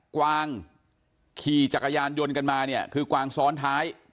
กวางขี่จักรยานยนต์กันมาเนี่ยคือกวางซ้อนท้าย